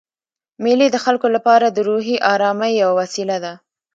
مېلې د خلکو له پاره د روحي آرامۍ یوه وسیله ده.